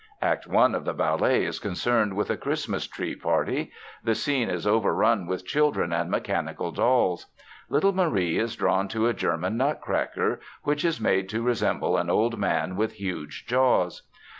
Act I of the ballet is concerned with a Christmas Tree party. The scene is overrun with children and mechanical dolls. Little Marie is drawn to a German Nutcracker, which is made to resemble an old man with huge jaws.